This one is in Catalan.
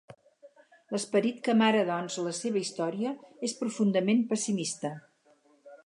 L'esperit que amara doncs la seva història és profundament pessimista.